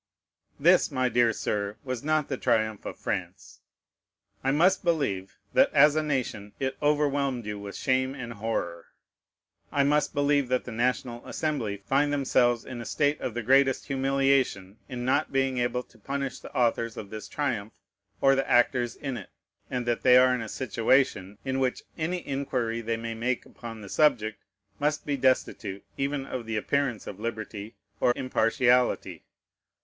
This, my dear Sir, was not the triumph of France. I must believe, that, as a nation, it overwhelmed you with shame and horror. I must believe that the National Assembly find themselves in a state of the greatest humiliation in not being able to punish the authors of this triumph or the actors in it, and that they are in a situation in which any inquiry they may make upon the subject must be destitute even of the appearance of liberty or impartiality.